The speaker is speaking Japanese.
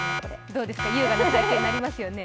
どうですか、優雅な体験になりますよね。